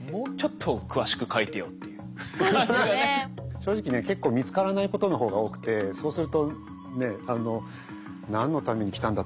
正直ね結構見つからないことの方が多くてそうするとね何のために来たんだったっけ。